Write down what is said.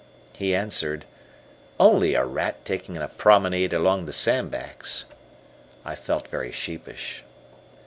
He answered, "Only a rat taking a promenade along the sandbags." I felt very sheepish.